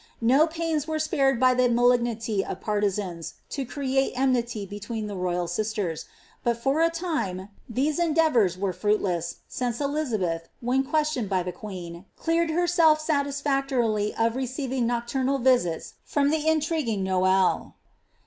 No pains vrete sp^reti by the malignity nr|iariii>nna, Iu creuitt emiiiiy between the royxl sinters ; but for a time Uiese emlea Toure were rruitlees, since Elixubeihi when questioned by the ijiieen, cleareil herself salisfaciorily of receiving noclurnal visits from the intri guing NoQJllee.